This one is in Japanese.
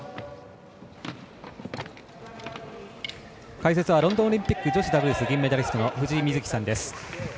解説はロンドンオリンピック女子ダブルスメダリストの藤井瑞希さんです。